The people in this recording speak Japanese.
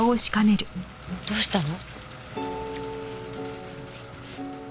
どうしたの？